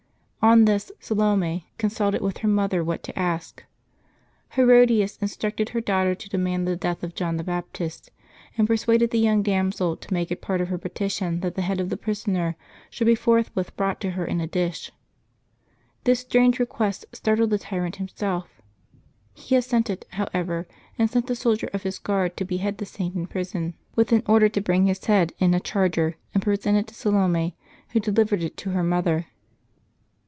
On this, Salome consulted with her mother what to ask. Herodias instructed her daughter to demand the death of John the Baptist, and persuaded the young damsel to make it part of her petition that the head of the prisoner should be forthwith brought to her in a dish. This strange request startled the tyrant himself; he as sented, however, and sent a soldier of his guard to behead the Saint in prison, with an order to bring his head in a charger and present it to Salome, who delivered it to her mother.